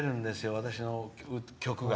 私の曲が。